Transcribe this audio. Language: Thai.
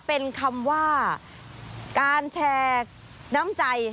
เป็นคำว่าการแชร์น้ำใจ